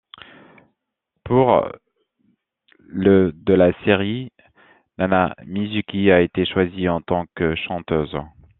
Pour le de la série, Nana Mizuki a été choisie en tant que chanteuse.